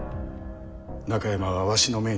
中山はわしの命に従い。